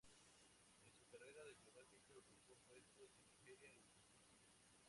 En su carrera diplomática, ocupó puestos en Nigeria y Fiji.